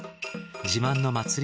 自慢の祭り